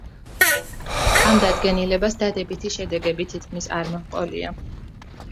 ამ დადგენილებას დადებითი შედეგები თითქმის არ მოჰყოლია.